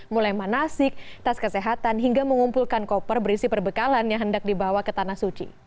mulai manasik tas kesehatan hingga mengumpulkan koper berisi perbekalan yang hendak dibawa ke tanah suci